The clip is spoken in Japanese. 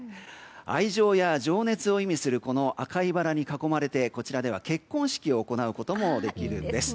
愛情や情熱を意味する赤いバラに囲まれてこちらでは結婚式を行うこともできるんです。